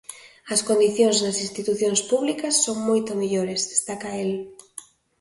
"As condicións nas institucións públicas son moito mellores", destaca el.